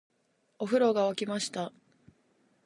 お風呂が湧きました